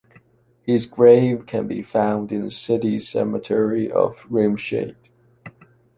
His grave can be found in the city cemetery of Remscheid.